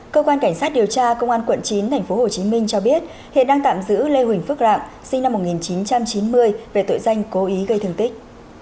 cơ quan cảnh sát điều tra công an quận chín tp hcm cho biết hiện đang tạm giữ lê huỳnh phước rạng sinh năm một nghìn chín trăm chín mươi về tội danh cố ý gây thương tích